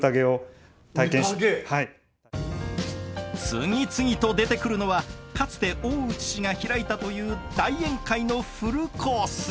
次々と出てくるのはかつて大内氏が開いたという大宴会のフルコース！